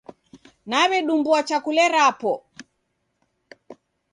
Naw'edumbua chakule rapo.